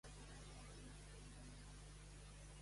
Els seus productes comercials es venen a través de WowWee Toys.